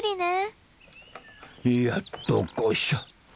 やっとこしょ。